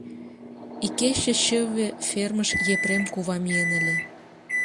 — Икече чыве фермыш Епрем кува миен ыле.